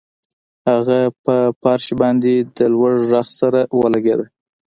هغه په فرش باندې د لوړ غږ سره ولګیده